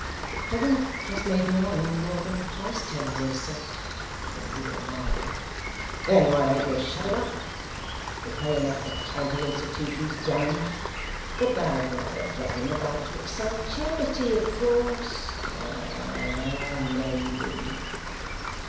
'Heaven has made none in more than twice ten years, sir,' said the widow mildly. 'Then why don't you shut him up? we pay enough for county institutions, damn 'em. But thou'd rather drag him about to excite charity of course. Ay, I know thee.